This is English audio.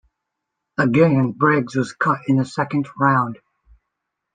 Again Briggs was cut in the second round.